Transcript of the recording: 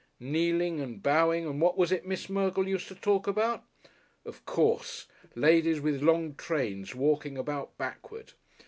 Kneeling and bowing, and what was it Miss Mergle used to talk about? Of course! ladies with long trains walking about backward.